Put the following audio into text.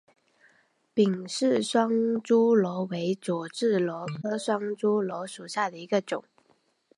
芮氏双珠螺为左锥螺科双珠螺属下的一个种。